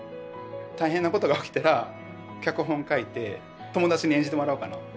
大変なことが起きたら脚本書いて友達に演じてもらおうかな。